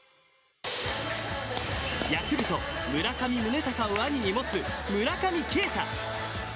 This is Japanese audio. ヤクルト村上宗隆を兄に持つ村上慶太。